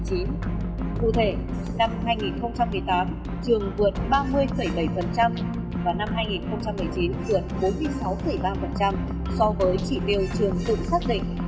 cụ thể năm hai nghìn một mươi tám trường vượt ba mươi bảy và năm hai nghìn một mươi chín vượt bốn mươi sáu ba so với chỉ tiêu trường tự xác định